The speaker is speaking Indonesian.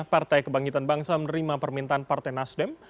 partai kebangkitan bangsa menerima permintaan partai nasdem